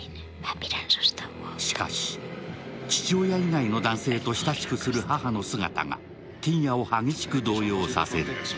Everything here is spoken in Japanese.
しかし、父親以外の男性と親しくする母の姿がティンヤを激しく動揺させる。